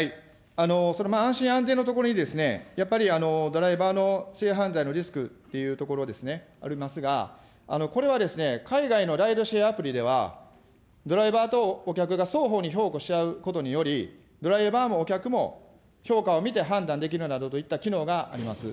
それ、安心・安全のところにやっぱりドライバーの性犯罪のリスクっていうところですね、ありますが、これは海外のライドシェアアプリでは、ドライバーとお客が双方に評価し合うことにより、ドライバーもお客も、評価を見て判断できるなどといった機能があります。